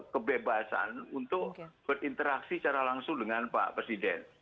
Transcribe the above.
kebebasan untuk berinteraksi secara langsung dengan pak presiden